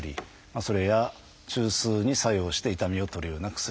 それや中枢に作用して痛みを取るような薬。